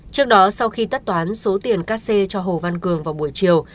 trước đó sau khi tất toán số tiền cắt xe cho hồ văn cường vào buổi chiều